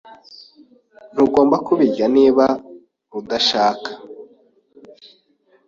Ntugomba kubirya niba udashaka.